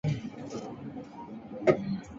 其他版本控制系统